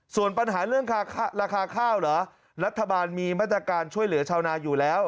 ส่วนปัญหาเรื่องราคาข้าวเหรอรัฐบาลมีมาตรการช่วยเหลือชาวนาอยู่แล้ว